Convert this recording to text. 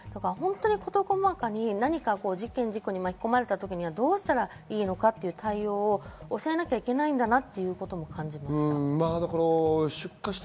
事細かに事件事故に巻き込まれた時にはどうしたらいいのかという対応を教えなきゃいけないんだなということを思いました。